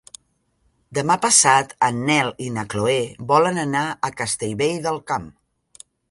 Demà passat en Nel i na Chloé volen anar a Castellvell del Camp.